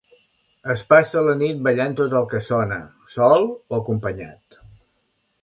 Es passa la nit ballant tot el que sona, sol o acompanyat.